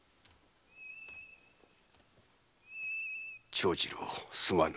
長次郎すまぬ。